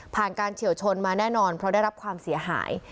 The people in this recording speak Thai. การเฉียวชนมาแน่นอนเพราะได้รับความเสียหาย